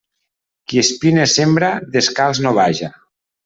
Qui espines sembra, descalç no vaja.